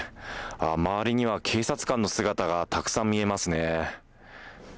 周りには警察官の姿がたくさん見えますね。